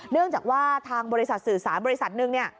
เนื่องจากว่าทางบริษัทสื่อสารบริษัทหนึ่งเนี่ย